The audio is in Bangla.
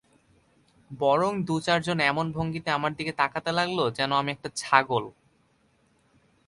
বরং দু-চারজন এমন ভঙ্গিতে আমার দিকে তাকাতে লাগল, যেন আমি একটা ছাগল।